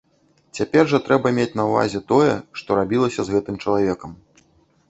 Цяпер жа трэба мець на ўвазе тое, што рабілася з гэтым чалавекам.